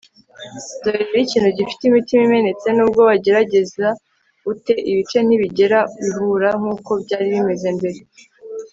dore rero ikintu gifite imitima imenetse nubwo wagerageza ute, ibice ntibigera bihura nk'uko byari bimeze mbere